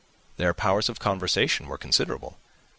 Their powers of conversation were considerable.